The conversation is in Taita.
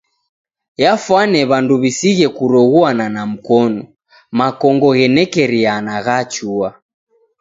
Yafwane w'andu w'isighe kuroghuana na mkonu. Makongo ghenekeriana ghachua.